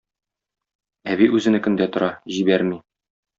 Әби үзенекендә тора, җибәрми.